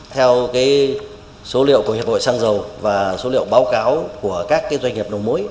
theo số liệu của hiệp hội xăng dầu và số liệu báo cáo của các doanh nghiệp đầu mối